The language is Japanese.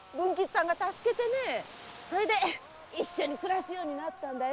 それで一緒に暮らすようになったんだよ。